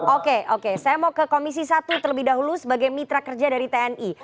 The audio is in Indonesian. oke oke saya mau ke komisi satu terlebih dahulu sebagai mitra kerja dari tni